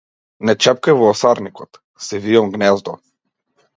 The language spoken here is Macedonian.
Не чепкај во осарникот, си вијам гнездо!